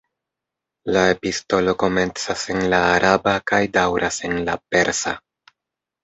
La epistolo komencas en la araba kaj daŭras en la persa.